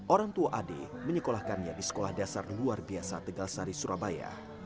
orang tua ade menyekolahkannya di sekolah dasar luar biasa tegal sari surabaya